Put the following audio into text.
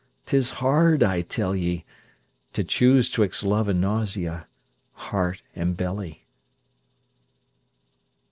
'Tis hard, I tell ye, To choose 'twixt love and nausea, heart and belly.